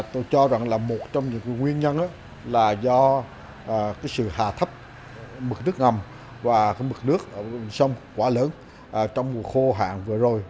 tôi cho rằng là một trong những nguyên nhân là do sự hạ thấp mực nước ngầm và cái mực nước ở sông quá lớn trong mùa khô hạn vừa rồi